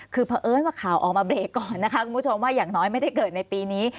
คือเพราะเอิญว่าข่าวออกมาเบรกก่อนนะคะคุณผู้ชมว่าอย่างน้อยไม่ได้เกิดในปีนี้